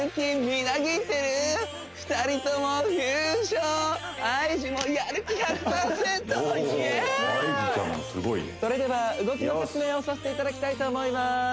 ＩＧもそれでは動きの説明をさせていただきたいと思います